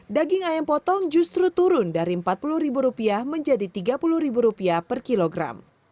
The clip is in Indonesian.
daging ayam potong justru turun dari rp empat puluh menjadi rp tiga puluh per kilogram